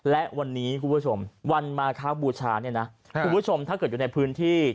และวันนี้คุณผู้ชมวันมาครับบูชาเนี่ยนะคุณผู้ชมถ้าเกิดอยู่ในพื้นที่